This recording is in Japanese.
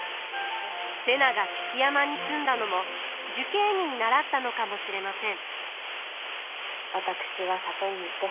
瀬名が築山に住んだのも寿桂尼に倣ったのかもしれません。